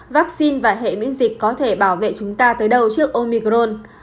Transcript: vaccine và hệ miễn dịch có thể bảo vệ chúng ta tới đầu trước omicron